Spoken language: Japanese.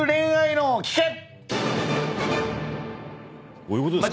どういうことですか？